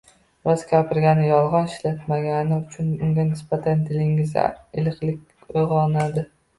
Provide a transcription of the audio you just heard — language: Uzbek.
Rost gapirgani, yolg‘on ishlatmagani uchun unga nisbatan dilingizda iliqlik uyg‘onadi.